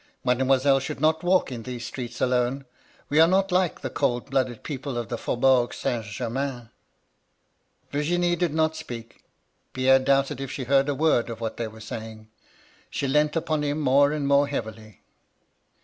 Mademoiselle should not walk in these streets alone. We are not like the cold blooded people of the Faubourg Saint Germain.' N.Y LADY LUDLOW. 173 "Virginie did not speak. Pierre doubted if she heard a word of what they were saying. She leant upon him more and more heavily.